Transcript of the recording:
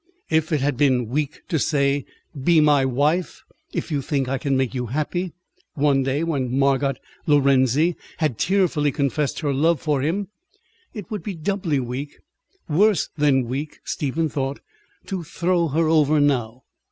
If it had been weak to say, "Be my wife, if you think I can make you happy," one day when Margot Lorenzi had tearfully confessed her love for him, it would be doubly weak worse than weak, Stephen thought to throw her over now.